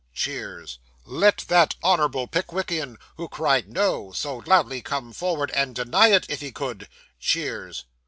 (Cheers.) Let that honourable Pickwickian who cried "No" so loudly come forward and deny it, if he could. (Cheers.)